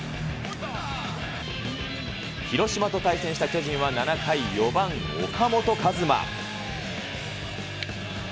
広島と対戦した巨人は７回、４番岡本和真。